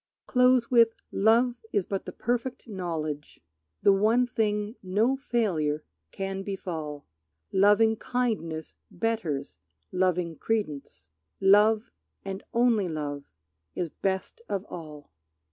Close with, "Love is but the perfect knowledge, The one thing no failure can befall; Lovingkindness betters loving credence; Love and only love is best of all."